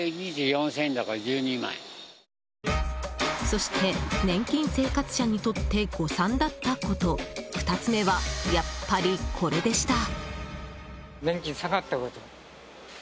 そして年金生活者にとって誤算だったこと２つ目はやっぱりこれでした。